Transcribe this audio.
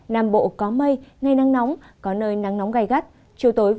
nam bộ có mây ngày nắng nóng có nơi nắng nóng gai gắt